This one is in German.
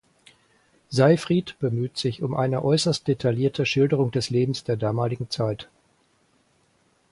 Seyfried bemüht sich um eine äußerst detaillierte Schilderung des Lebens der damaligen Zeit.